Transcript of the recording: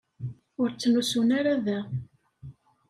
Ur ttnusun ara da.